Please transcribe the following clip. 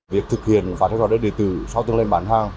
việc thực hiện hóa đơn điện tử sau từng lần bán hàng